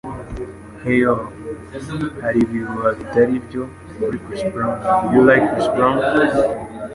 Hey yall. hari ibihuha bitari byo kuri chris brown Do u like chris brown?